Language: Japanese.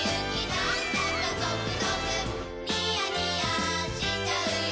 なんだかゾクゾクニヤニヤしちゃうよ